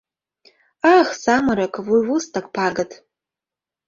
Ах, самырык, вуйвустык пагыт!